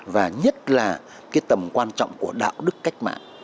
và nhất là cái tầm quan trọng của đạo đức cách mạng